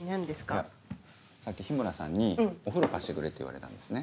いやさっき日村さんにお風呂貸してくれって言われたんですね。